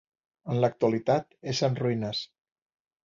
En l'actualitat és en ruïnes.